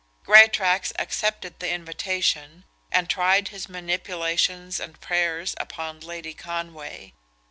Greatraks accepted the invitation, and tried his manipulations and prayers upon Lady Conway.